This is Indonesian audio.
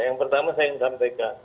yang pertama saya mkpk